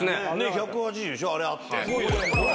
１８０でしょあれあって。